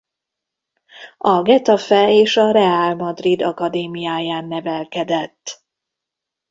A Getafe és a Real Madrid akadémiáján nevelkedett.